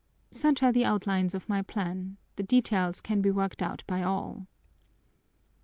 Such are the outlines of my plan; the details can be worked out by all."